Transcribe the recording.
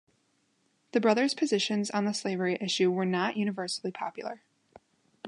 The brothers' positions on the slavery issue were not universally popular.